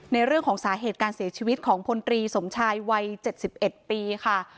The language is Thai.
เรื่องของสาเหตุการเสียชีวิตของพลตรีสมชายวัย๗๑ปีค่ะ